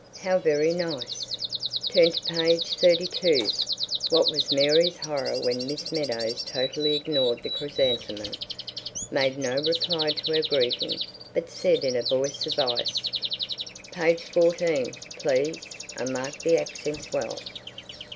How very nice! Turn to page thirty two," what was Mary's horror when Miss Meadows totally ignored the chrysanthemum, made no reply to her greeting, but said in a voice of ice, "Page fourteen, please, and mark the accents well."